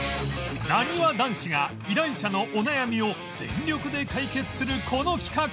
なにわ男子が依頼者のお悩みを全力で解決するこの企画